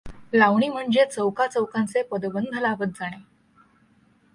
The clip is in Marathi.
लावणी म्हणजे चौकाचौकांचे पदबंध लावत जाणे.